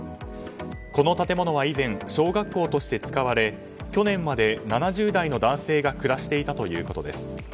この建物は以前小学校として使われ去年まで７０代の男性が暮らしていたということです。